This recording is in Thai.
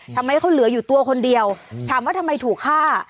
ทำไมเขาเหลืออยู่ตัวคนเดียวถามว่าทำไมถูกฆ่า